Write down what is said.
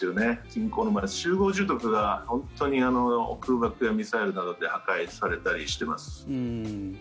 近郊の街、集合住宅などは本当に空爆やミサイルなどで破壊されたりしています。